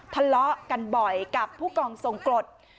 ทะเลาะกันบ่อยกับผู้กองทรงกรด